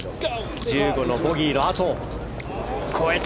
１５のボギーのあと越えた！